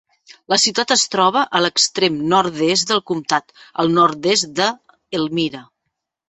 La ciutat es troba a l'extrem nord-est del comtat, al nord-est de Elmira.